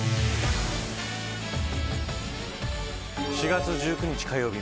４月１９日火曜日